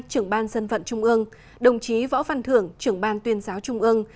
trưởng ban dân vận trung ương đồng chí võ văn thưởng trưởng ban tuyên giáo trung ương